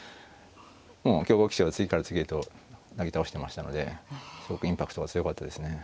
もう強豪棋士を次から次へとなぎ倒してましたのですごくインパクトが強かったですね。